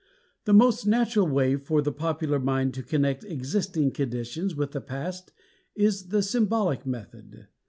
The most natural way for the popular mind to connect existing conditions with the past is the symbolic method.